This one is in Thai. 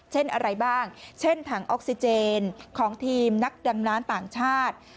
เช่นอะไรบ้างเช่นถังออกซิเจนของทีมนักดำน้ำต่างชาติ